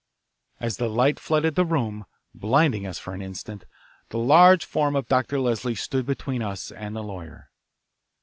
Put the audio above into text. As the light flooded the room, blinding us for the instant, the large form of Dr. Leslie stood between us and the lawyer.